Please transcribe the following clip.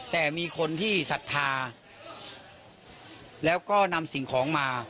แต่มีคนที่ศรัทธาแล้วก็นำสิ่งของมา